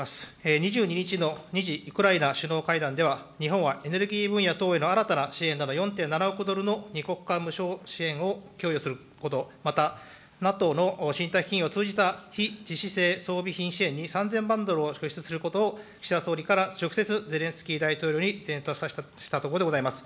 ２２日の２時、ウクライナ首脳会談では、日本はエネルギー分野等への新たな支援など４．７億ドルの２国間無償支援を供与すること、またＮＡＴＯの信託基金を通じた非致死性装備品支援に３０００万ドルを拠出することを岸田総理から直接、ゼレンスキー大統領に伝達したところでございます。